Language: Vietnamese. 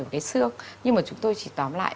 của cái xương nhưng mà chúng tôi chỉ tóm lại